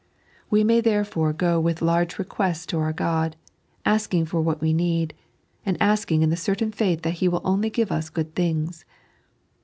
We may therefore go with large requests to our God, asking for what we need, and asking in the certain faith that He will only give ua good things.